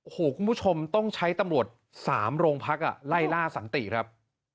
โอ้โหคุณผู้ชมต้องใช้ตำรวจ๓โรงพักไล่ล่าสันติครับ